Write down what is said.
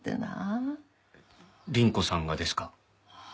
倫子さんがですか？